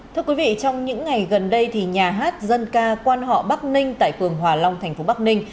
thưa quý vị trong những ngày gần đây thì nhà hát dân ca quan họ bắc ninh tại phường hòa long thành phố bắc ninh